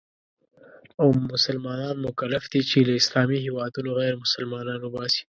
او مسلمانان مکلف دي چې له اسلامي هېوادونو غیرمسلمانان وباسي.